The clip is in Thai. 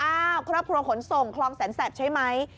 ครอบครัวขนส่งคลองแสนแสบใช่ไหม